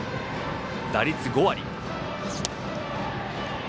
打率５割。